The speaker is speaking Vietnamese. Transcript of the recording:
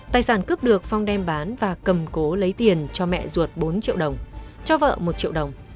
tài sản cướp được phong đem bán và cầm cố lấy tiền cho mẹ ruột bốn triệu đồng cho vợ một triệu đồng